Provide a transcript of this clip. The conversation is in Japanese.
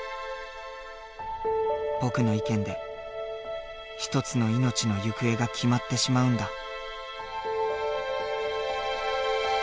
僕の意見で一つの命の行方が決まってしまうんだ。